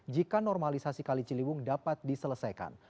jika normalisasi kali ciliwung dapat diselesaikan